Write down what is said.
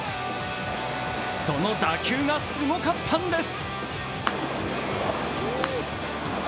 その打球がすごかったんです。